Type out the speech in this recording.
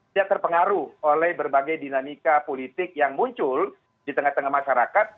dia terpengaruh oleh berbagai dinamika politik yang muncul di tengah tengah masyarakat